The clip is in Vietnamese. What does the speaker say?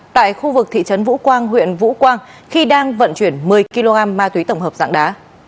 tại khu vực thị trấn vũ quang huyện vũ quang khi đang vận chuyển một mươi kg ma túy tổng hợp dạng đá